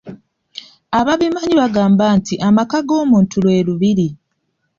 Ababimanyi bagamba nti amaka g‘omuntu lwe Lubiri.